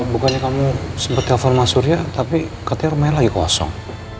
bukannya kamu sempat telepon sama surya tapi katanya rumahnya lagi kosong